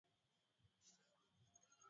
zipo binu za kumuadhibu mchezaji katika